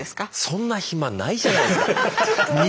そんな暇ないじゃないですか。